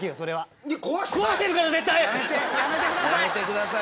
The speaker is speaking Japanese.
やめてやめてください！